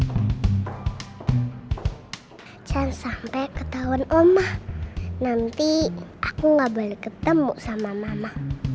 saya sampai ketahuan omah nanti aku nggak boleh ketemu sama mama